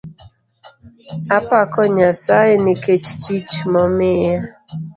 Apako Nyasaye nikech tich momiya